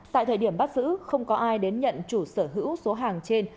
tại thời điểm bắt giữ không có ai đến nhận chủ sở hữu số hàng trên